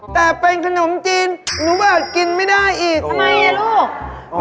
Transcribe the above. แต่เป็นขนมจีนหนูบอกกินไม่ได้อีกทำไมอ่ะลูก